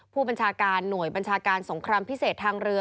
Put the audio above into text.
ผู้บัญชาการหน่วยบัญชาการสงครามพิเศษทางเรือ